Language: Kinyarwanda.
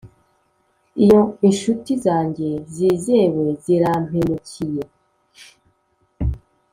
iyo inshuti zanjye zizewe zirampemukiye,